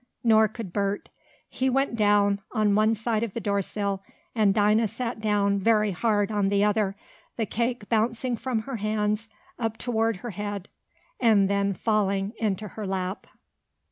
Nor could Bert. He went down, on one side of the doorsill, and Dinah sat down, very hard, on the other, the cake bouncing from her hands, up toward her head, and then falling into her lap.